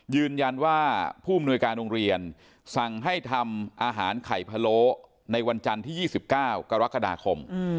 ยืนยันว่าผู้มนวยการโรงเรียนสั่งให้ทำอาหารไข่พะโลในวันจันทร์ที่๒๙กรกฎาคม